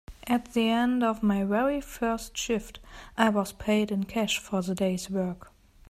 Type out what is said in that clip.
At the end of my very first shift, I was paid in cash for the day’s work.